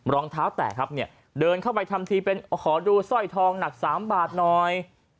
รองเท้าแตกครับเนี่ยเดินเข้าไปทำทีเป็นขอดูสร้อยทองหนัก๓บาทหน่อย